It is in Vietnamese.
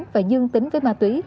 và dương tính với ma túy